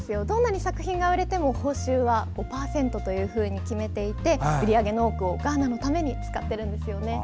どんなに作品が売れても報酬は５％だけと決めていて売り上げの多くをガーナのために使ってるんです。